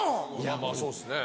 まぁそうですね。